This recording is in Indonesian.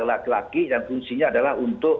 laki laki yang fungsinya adalah untuk